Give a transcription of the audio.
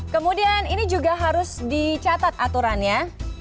kemudian ini juga harus dicatat aturannya